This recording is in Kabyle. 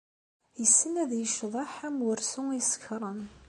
Yessen ad yecḍeḥ am wursu isekṛen.